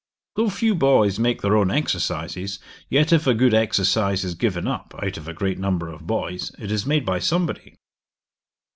Though few boys make their own exercises, yet if a good exercise is given up, out of a great number of boys, it is made by somebody.'